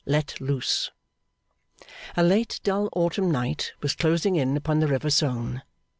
Let Loose A late, dull autumn night was closing in upon the river Saone.